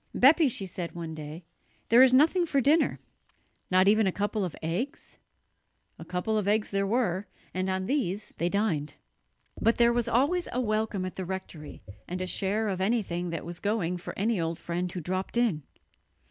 "Bepi," she said one day, "there is nothing for dinner." "Not even a couple of eggs?" A couple of eggs there were, and on these they dined. But there was always a welcome at the rectory and a share of anything that was going for any old friend who dropped in.